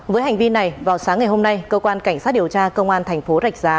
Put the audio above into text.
với hành vi này vào sáng ngày hôm nay cơ quan cảnh sát điều tra công an thành phố rạch giá